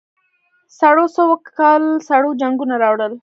سړو څه وکل سړو جنګونه راوړل.